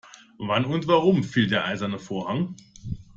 Wann und warum fiel der eiserne Vorhang?